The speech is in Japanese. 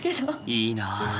いいな。